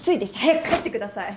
早く帰ってください。